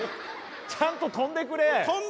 ちゃんと跳んでくれ！